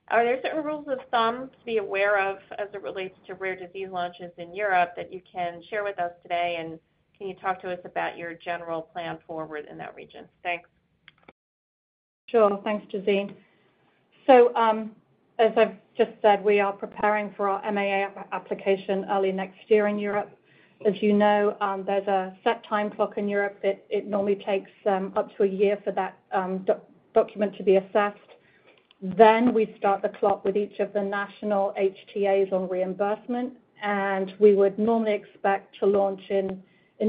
Are there certain rules of thumb to be aware of as it relates to rare disease launches in Europe that you can share with us today? Can you talk to us about your general plan forward in that region? Thanks. Sure. Thanks, Tazeen. As I've just said, we are preparing for our MAA application early next year in Europe. As you know, there's a set time clock in Europe that it normally takes up to a year for that document to be assessed. Then we start the clock with each of the national HTAs on reimbursement. We would normally expect to launch in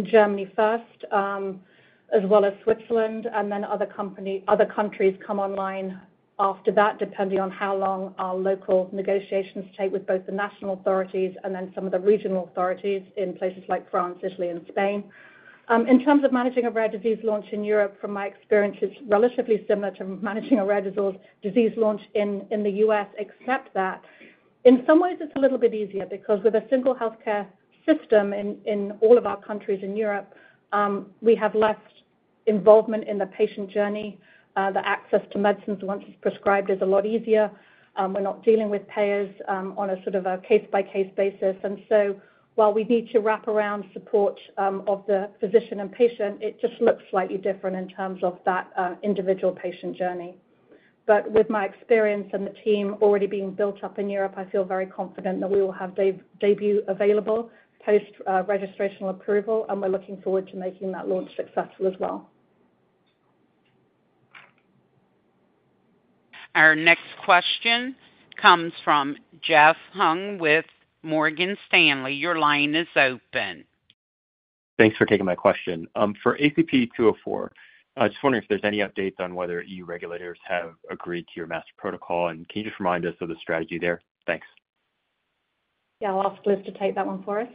Germany first, as well as Switzerland. Then other countries come online after that, depending on how long our local negotiations take with both the national authorities and then some of the regional authorities in places like France, Italy, and Spain. In terms of managing a rare disease launch in Europe, from my experience, it's relatively similar to managing a rare disease launch in the U.S., except that in some ways, it's a little bit easier because with a single healthcare system in all of our countries in Europe, we have less involvement in the patient journey. The access to medicines once it's prescribed is a lot easier. We're not dealing with payers on a sort of a case-by-case basis. While we need to wrap around support of the physician and patient, it just looks slightly different in terms of that individual patient journey. With my experience and the team already being built up in Europe, I feel very confident that we will have DAYBUE available post-registration approval, and we're looking forward to making that launch successful as well. Our next question comes from Jeffrey Hung with Morgan Stanley. Your line is open. Thanks for taking my question. For ACP-204, just wondering if there's any updates on whether E.U. regulators have agreed to your master protocol, and can you just remind us of the strategy there? Thanks. Yeah. I'll ask Liz to take that one for us.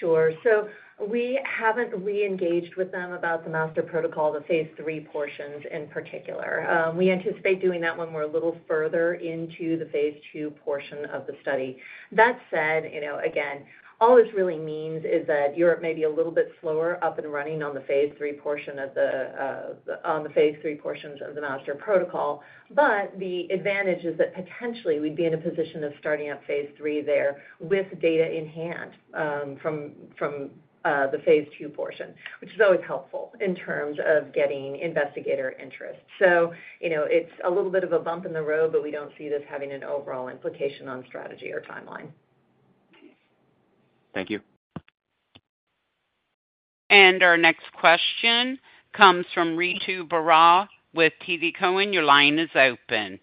Sure, so we haven't re-engaged with them about the master protocol, the phase III portions in particular. We anticipate doing that when we're a little further into the phase II portion of the study. That said, again, all this really means is that Europe may be a little bit slower up and running on the phase III portion of the phase III portions of the master protocol, but the advantage is that potentially we'd be in a position of starting up phase III there with data in hand from the phase II portion, which is always helpful in terms of getting investigator interest, so it's a little bit of a bump in the road, but we don't see this having an overall implication on strategy or timeline. Thank you. Our next question comes from Ritu Baral with TD Cowen. Your line is open.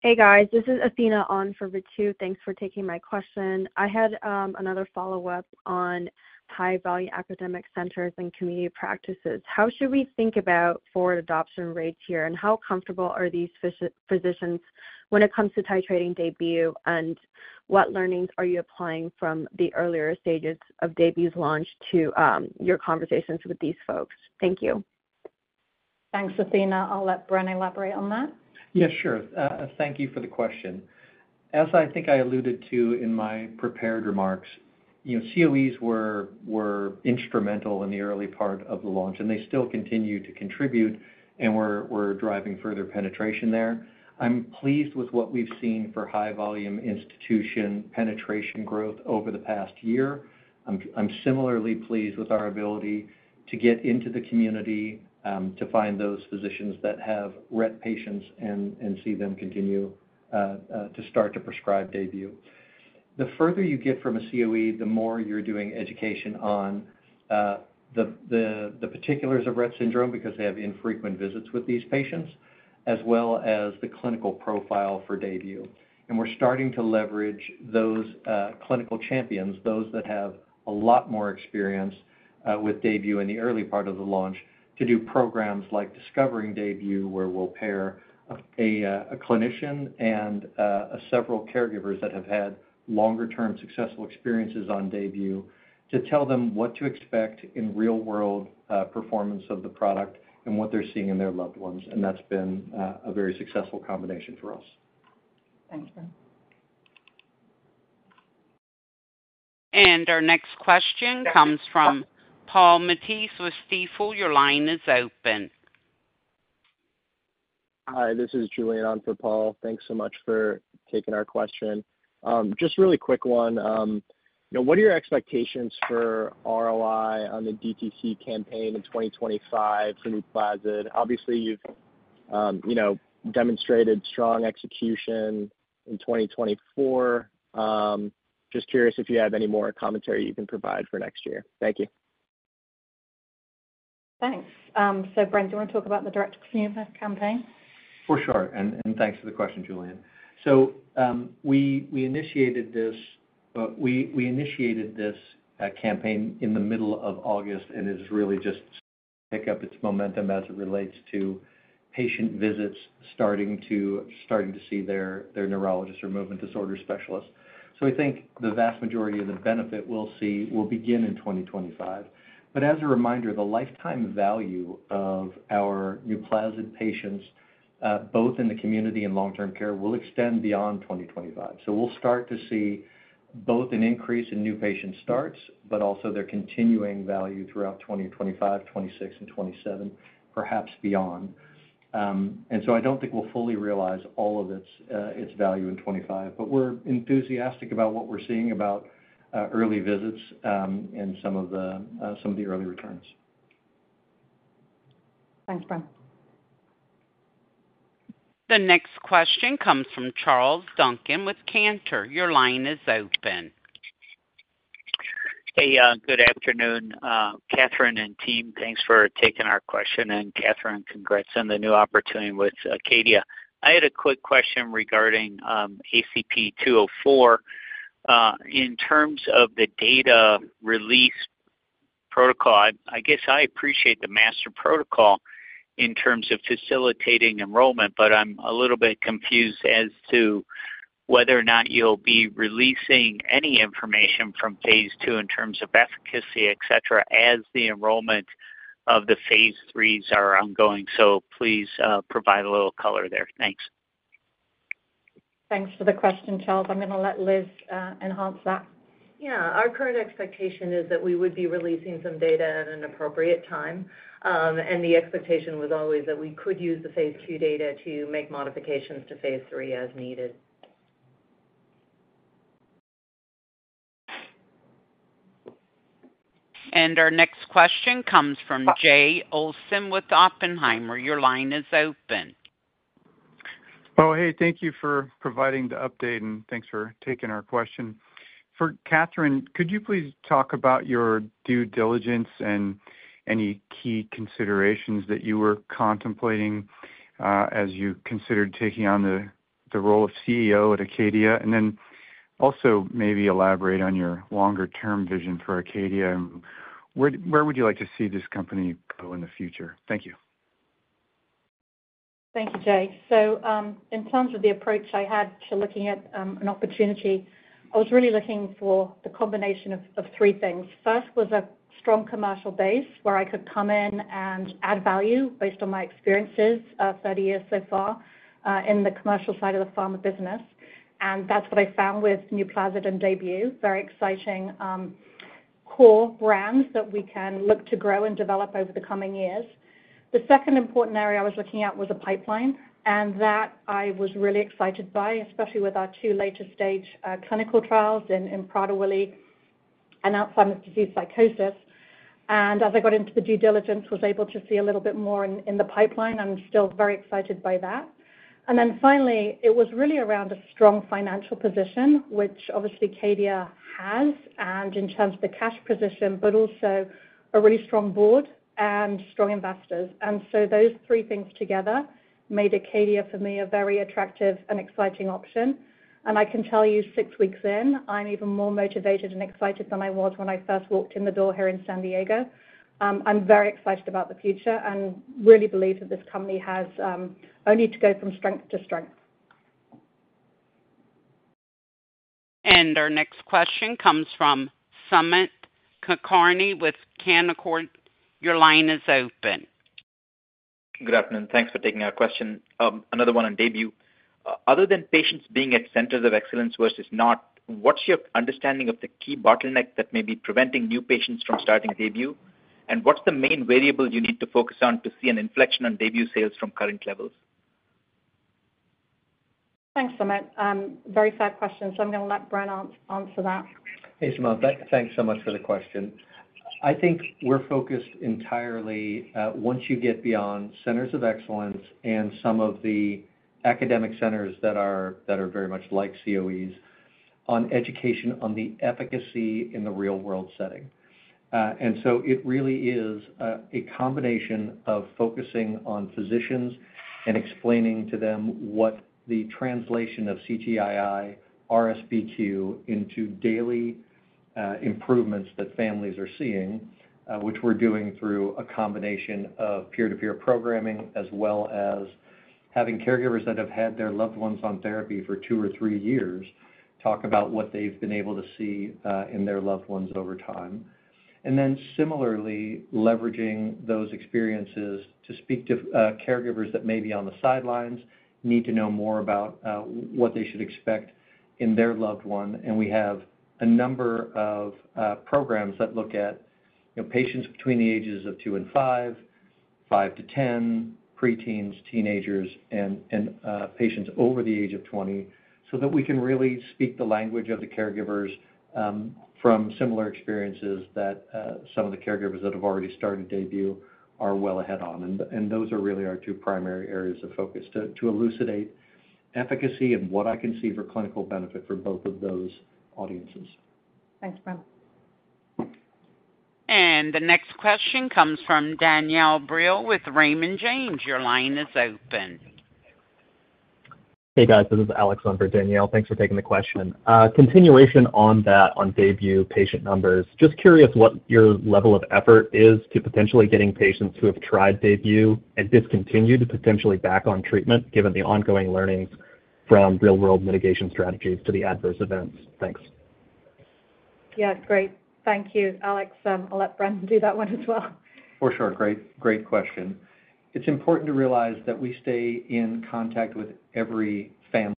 Hey, guys. This is Athena on for Ritu. Thanks for taking my question. I had another follow-up on high-value academic centers and community practices. How should we think about forward adoption rates here, and how comfortable are these physicians when it comes to titrating DAYBUE, and what learnings are you applying from the earlier stages of DAYBUE's launch to your conversations with these folks? Thank you. Thanks, Athena. I'll let Brendan elaborate on that. Yeah, sure. Thank you for the question. As I think I alluded to in my prepared remarks, COEs were instrumental in the early part of the launch, and they still continue to contribute, and we're driving further penetration there. I'm pleased with what we've seen for high-volume institution penetration growth over the past year. I'm similarly pleased with our ability to get into the community to find those physicians that have Rett patients and see them continue to start to prescribe DAYBUE. The further you get from a COE, the more you're doing education on the particulars of Rett syndrome because they have infrequent visits with these patients, as well as the clinical profile for DAYBUE. We're starting to leverage those clinical champions, those that have a lot more experience with DAYBUE in the early part of the launch, to do programs like Discovering DAYBUE, where we'll pair a clinician and several caregivers that have had longer-term successful experiences on DAYBUE to tell them what to expect in real-world performance of the product and what they're seeing in their loved ones, and that's been a very successful combination for us. Thanks, Brendan. Our next question comes from Paul Matteis with Stifel. Your line is open. Hi, this is Julian on for Paul. Thanks so much for taking our question. Just a really quick one. What are your expectations for ROI on the DTC campaign in 2025 for NUPLAZID? Obviously, you've demonstrated strong execution in 2024. Just curious if you have any more commentary you can provide for next year. Thank you. Thanks. Brendan, do you want to talk about the direct-to-consumer campaign? For sure. And thanks for the question, Julian. We initiated this campaign in the middle of August, and it's really just picked up its momentum as it relates to patient visits starting to see their neurologist or movement disorder specialist. The vast majority of the benefit we'll see will begin in 2025. As a reminder, the lifetime value of our NUPLAZID patients, both in the community and long-term care, will extend beyond 2025. So we'll start to see both an increase in new patient starts, but also their continuing value throughout 2025, 2026, and 2027, perhaps beyond. I don't think we'll fully realize all of its value in 2025, but we're enthusiastic about what we're seeing about early visits and some of the early returns. Thanks, Brendan. The next question comes from Charles Duncan with Cantor. Your line is open. Hey, good afternoon. Catherine and team, thanks for taking our question. Catherine, congrats on the new opportunity with Acadia. I had a quick question regarding ACP-204. In terms of the data release protocol, I guess I appreciate the master protocol in terms of facilitating enrollment, but I'm a little bit confused as to whether or not you'll be releasing any information from phase two in terms of efficacy, etc., as the enrollment of the phase IIIs are ongoing. Please provide a little color there. Thanks. Thanks for the question, Charles. I'm going to let Liz enhance that. Yeah. Our current expectation is that we would be releasing some data at an appropriate time, and the expectation was always that we could use the phase two data to make modifications to phase III as needed. Our next question comes from Jay Olson with Oppenheimer. Your line is open. Oh, hey, thank you for providing the update, and thanks for taking our question. For Catherine, could you please talk about your due diligence and any key considerations that you were contemplating as you considered taking on the role of CEO at Acadia? Then also maybe elaborate on your longer-term vision for Acadia. Where would you like to see this company go in the future? Thank you. Thank you, Jay. So, in terms of the approach I had to looking at an opportunity, I was really looking for the combination of three things. First was a strong commercial base where I could come in and add value based on my experiences of 30 years so far in the commercial side of the pharma business. That's what I found with NUPLAZID and DAYBUE, very exciting core brands that we can look to grow and develop over the coming years. The second important area I was looking at was a pipeline, and that I was really excited by, especially with our two later-stage clinical trials in Prader-Willi and Alzheimer's disease psychosis. As I got into the due diligence, I was able to see a little bit more in the pipeline. I'm still very excited by that. Then finally, it was really around a strong financial position, which obviously Acadia has, and in terms of the cash position, but also a really strong board and strong investors. And so those three things together made Acadia for me a very attractive and exciting option. I can tell you six weeks in, I'm even more motivated and excited than I was when I first walked in the door here in San Diego. I'm very excited about the future and really believe that this company has only to go from strength to strength. Our next question comes from Sumant Kulkarni with Canaccord Genuity. Your line is open. Good afternoon. Thanks for taking our question. Another one on DAYBUE. Other than patients being at centers of excellence versus not, what's your understanding of the key bottleneck that may be preventing new patients from starting DAYBUE? What's the main variable you need to focus on to see an inflection on DAYBUE sales from current levels? Thanks, Sumant. Very sad question, so I'm going to let Brendan answer that. Hey, Sumant. Thanks so much for the question. I think we're focused entirely once you get beyond centers of excellence and some of the academic centers that are very much like COEs on education on the efficacy in the real-world setting. It really is a combination of focusing on physicians and explaining to them what the translation of CGI-I, RSBQ, into daily improvements that families are seeing, which we're doing through a combination of peer-to-peer programming, as well as having caregivers that have had their loved ones on therapy for two or three years talk about what they've been able to see in their loved ones over time. Then similarly, leveraging those experiences to speak to caregivers that may be on the sidelines, need to know more about what they should expect in their loved one. We have a number of programs that look at patients between the ages of two and five, five to 10, preteens, teenagers, and patients over the age of 20, so that we can really speak the language of the caregivers from similar experiences that some of the caregivers that have already started DAYBUE are well ahead on. Those are really our two primary areas of focus to elucidate efficacy and what I can see for clinical benefit for both of those audiences. Thanks, Brendan. The next question comes from Danielle Brill with Raymond James. Your line is open. Hey, guys. This is Alex on for Danielle. Thanks for taking the question. Continuation on that on DAYBUE patient numbers. Just curious what your level of effort is to potentially getting patients who have tried DAYBUE and discontinued potentially back on treatment, given the ongoing learnings from real-world mitigation strategies to the adverse events? Thanks. Yeah, great. Thank you, Alex. I'll let Brendan do that one as well. For sure. Great question. It's important to realize that we stay in contact with every family,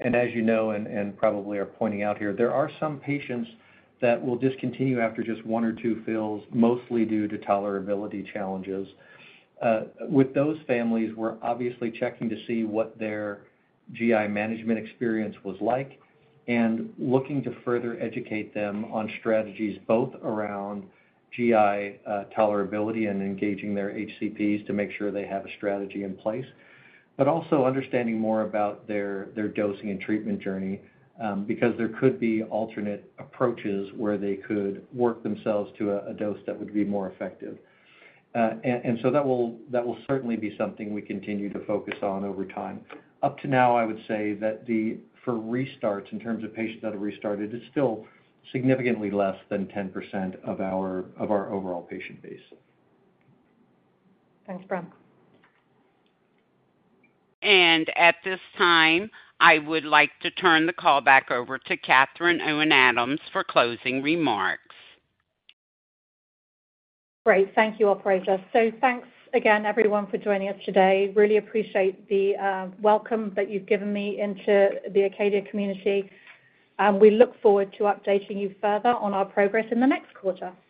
and as you know and probably are pointing out here, there are some patients that will discontinue after just one or two fills, mostly due to tolerability challenges. With those families, we're obviously checking to see what their GI management experience was like and looking to further educate them on strategies both around GI tolerability and engaging their HCPs to make sure they have a strategy in place, but also understanding more about their dosing and treatment journey because there could be alternate approaches where they could work themselves to a dose that would be more effective, and so that will certainly be something we continue to focus on over time. Up to now, I would say that for restarts in terms of patients that have restarted, it's still significantly less than 10% of our overall patient base. Thanks, Brendan. At this time, I would like to turn the call back over to Catherine Owen Adams for closing remarks. Great. Thank you, Operator. Thanks again, everyone, for joining us today. Really appreciate the welcome that you've given me into the Acadia community. We look forward to updating you further on our progress in the next quarter.